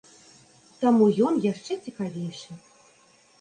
Таму ён яшчэ цікавейшы.